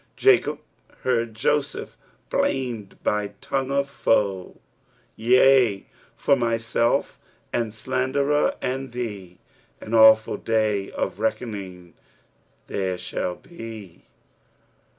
* Jacob heard Joseph blamed by tongue of foe. Yea, for myself and slanderer and thee * An awful day of reckoning there shall be.'